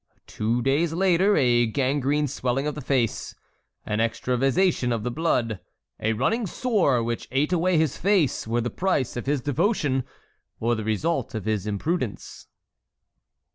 Two days later a gangrene swelling of the face, an extravasation of the blood, a running sore which ate away his face, were the price of his devotion or the result of his imprudence."